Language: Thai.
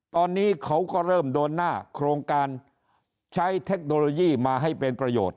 ตอนนี้เขาก็เริ่มเดินหน้าโครงการใช้เทคโนโลยีมาให้เป็นประโยชน์